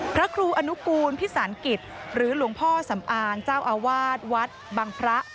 พระครูอนุกูลพิสารกิจหรือหลวงพ่อสำอางเจ้าอาวาสวัดบังพระ